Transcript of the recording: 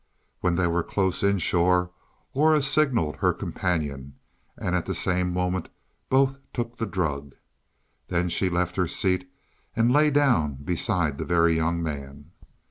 When they were close inshore Aura signalled her companion and at the same moment both took the drug. Then she left her seat and lay down beside the Very Young Man.